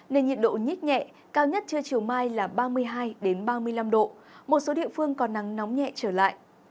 nền nhiệt độ nhít nhẹ cao nhất trưa chiều mai là ba mươi hai ba mươi năm độ một số địa phương còn nắng nóng nhẹ trở lại